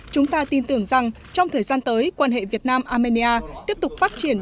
chúng ta tin tưởng rằng trong thời gian tới quan hệ việt nam armenia tiếp tục phát triển